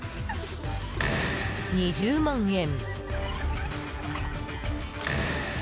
２０万円。